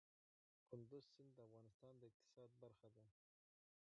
کندز سیند د افغانستان د اقتصاد برخه ده.